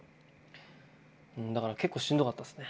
だから結構しんどかったですね